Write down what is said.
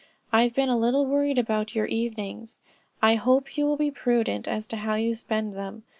I've been a little worried about your evenings. I hope you will be prudent as to how you spend them.